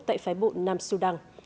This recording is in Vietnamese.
tại phái bộ nam sudan